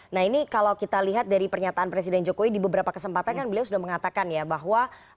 nah ini kalau kita lihat dari pernyataan presiden jokowi di beberapa kesempatan kan beliau sudah mengatakan ya bahwa